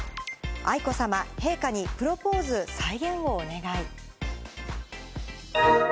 愛子さま、陛下にプロポーズ、再現をお願い。